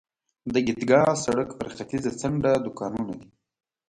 د عیدګاه سړک پر ختیځه څنډه دوکانونه دي.